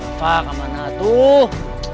rafa kemana tuh